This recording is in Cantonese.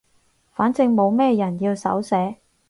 反正冇咩人要手寫